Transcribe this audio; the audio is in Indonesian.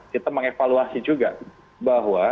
kita mengevaluasi juga bahwa